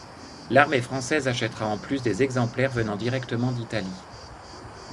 L'armée française achètera en plus des exemplaires venant directement d'Italie.